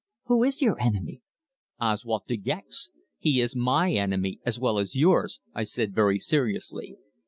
"Who is your enemy?" "Oswald De Gex! He is my enemy as well as yours," I said very seriously.